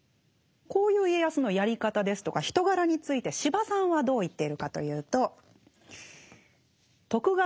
こういう家康のやり方ですとか人柄について司馬さんはどう言っているかというと。